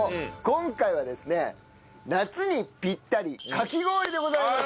今回はですね夏にピッタリかき氷でございます。